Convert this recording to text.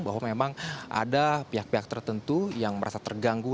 bahwa memang ada pihak pihak tertentu yang merasa terganggu